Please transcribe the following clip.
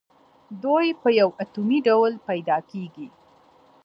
دوی په یو اتومي ډول پیداکیږي.